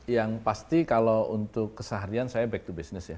yang pasti kalau untuk keseharian saya back to business ya